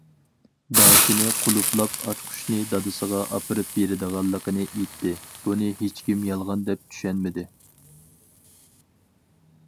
داچىنى قۇلۇپلاپ ئاچقۇچنى دادىسىغا ئاپىرىپ بېرىدىغانلىقىنى ئېيتتى، بۇنى ھېچكىم يالغان دەپ چۈشەنمىدى.